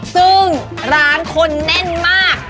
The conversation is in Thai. ซึ่งร้านคนแน่นมาก